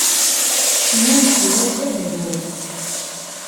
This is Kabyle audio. Nnan fell-as d aherbub.